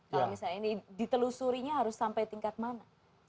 kalau misalnya ini ditelusurinya harus sampai tingkat mana